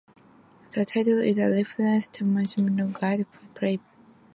The title is a reference to Maimonides's "The Guide for the Perplexed".